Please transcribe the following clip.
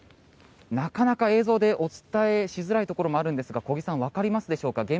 なかなか映像でお伝えしづらいところもあるんですが小木さんわかりますでしょうか。